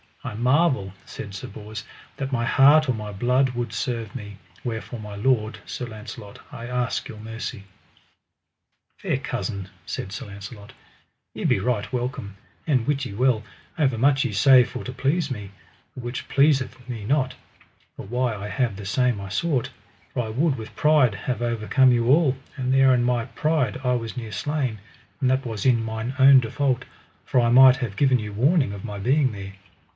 I marvel, said Sir Bors, that my heart or my blood would serve me, wherefore my lord, Sir Launcelot, I ask your mercy. Fair cousin, said Sir Launcelot, ye be right welcome; and wit ye well, overmuch ye say for to please me, the which pleaseth me not, for why I have the same I sought; for I would with pride have overcome you all, and there in my pride I was near slain, and that was in mine own default, for I might have given you warning of my being there.